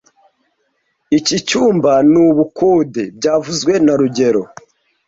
Iki cyumba ni ubukode byavuzwe na rugero